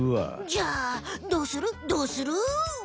じゃあどうするどうする？